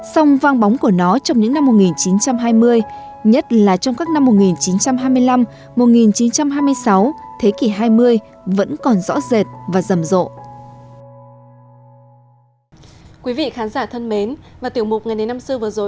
song vang bóng của nó trong những năm một nghìn chín trăm hai mươi nhất là trong các năm một nghìn chín trăm hai mươi năm một nghìn chín trăm hai mươi sáu thế kỷ hai mươi vẫn còn rõ rệt và rầm rộ